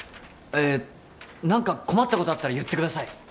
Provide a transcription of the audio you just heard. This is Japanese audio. えっ何か困ったことあったら言ってください